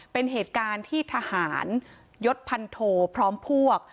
เป็นเหตุการณ์ที่ทหารยศพันโทพร้อมพวก